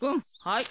はい。